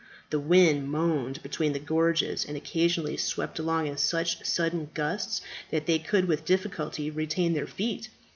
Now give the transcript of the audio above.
The wind moaned between the gorges and occasionally swept along in such sudden gusts that they could with difficulty retain their feet.